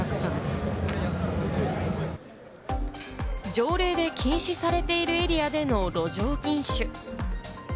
条例で禁止されているエリアでの路上飲酒。